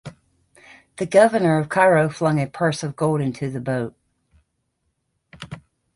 The Governor of Cairo flung a purse of gold into the boat.